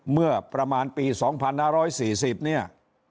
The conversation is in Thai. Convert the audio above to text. เมื่อประมาณปี๒๕๔๐เนี่ย